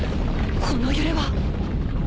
この揺れは。